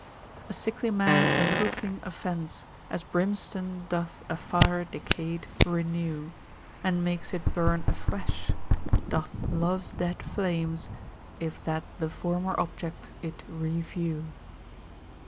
A sickly man a little thing offends, As brimstone doth a fire decayed renew, And makes it burn afresh, doth love's dead flames, If that the former object it review.